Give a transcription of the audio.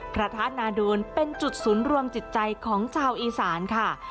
พระธาตุนาโดนเป็นจุดศูนย์รวมจิตใจของชาวอีสานค่ะ